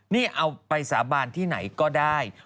นี่เอาไปสาบานที่ไหนก็ได้